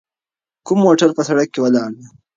کوم موټر په سړک کې ولاړ دی؟